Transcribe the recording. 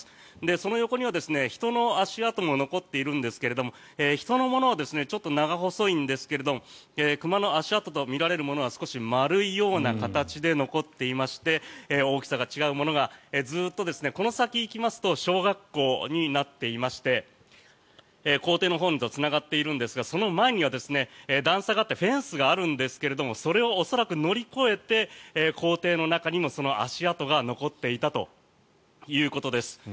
その横には人の足跡も残っているんですが人のものはちょっと長細いんですけれども熊の足跡とみられるものは少し丸いような形で残っていまして大きさが違うものがずっとこの先行きますと小学校になっていまして校庭のほうにつながっているんですがその前には段差があってフェンスがあるんですがそれを恐らく乗り越えて校庭の中にもその足跡が残っていたということです。